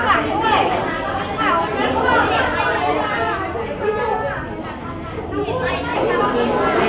ขอบคุณหนึ่งนะคะขอบคุณหนึ่งนะคะ